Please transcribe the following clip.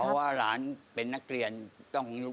เพราะว่าหลานเป็นนักเรียนต้อง